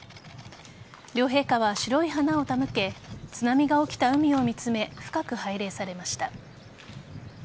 両陛下は白い花を手向け津波が起きた海を見つめ深く拝礼されました。